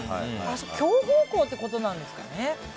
強豪校ってことなんですかね。